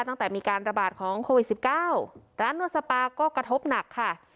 ตั้งแต่มีการระบาดของโควิด๑๙ร้านนวดสปาก็กระทบหนักค่ะ